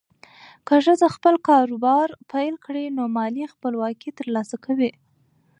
که ښځه خپل کاروبار پیل کړي، نو مالي خپلواکي ترلاسه کوي.